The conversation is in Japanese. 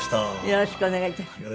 よろしくお願いします。